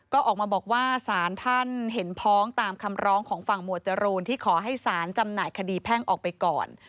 ก็ออกมาบอกว่าสารท่านเห็นพ้องตามคำร้องของฝั่งหมวดจรูนที่ขอให้สารจำหน่ายคดีแพ่งออกไปก่อน